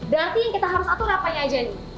berarti yang kita harus atur apa aja ini